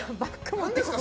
何ですか？